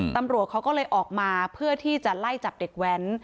ตำรวจเขาก็เลยออกมาเพื่อที่จะไล่จับเด็กแว้น